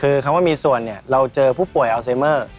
คือคำว่ามีส่วนเนี่ยเราเจอผู้ป่วยอัลไซเมอร์